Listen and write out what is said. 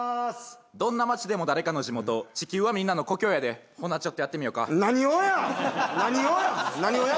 どんな街でも誰かの地元地球はみんなの故郷やでほなちょっとやってみよか何をや？